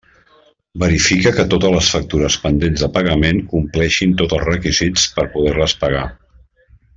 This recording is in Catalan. Verifica que totes les factures pendents de pagament compleixin tots els requisits per poder-les pagar.